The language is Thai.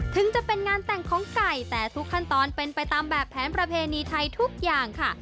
ถึงจะเป็นงานแต่งของไก่แต่ทุกขั้นตอนเป็นไปตามแบบแผนประเพณีไทยทุกอย่างค่ะ